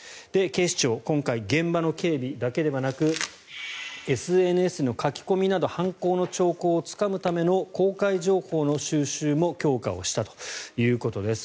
警視庁、今回現場の警備だけではなくＳＮＳの書き込みなど犯行の兆候をつかむための公開情報の収集も強化をしたということです。